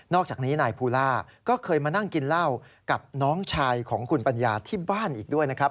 อกจากนี้นายภูล่าก็เคยมานั่งกินเหล้ากับน้องชายของคุณปัญญาที่บ้านอีกด้วยนะครับ